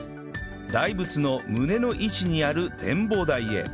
大仏の胸の位置にある展望台へ